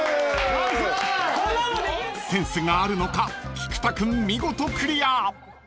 ［センスがあるのか菊田君見事クリア］